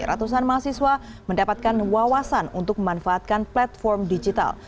ratusan mahasiswa mendapatkan wawasan untuk memanfaatkan platform digital